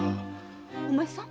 お前さん？